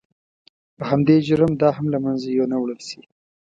په همدې جرم دا هم له منځه یو نه وړل شي.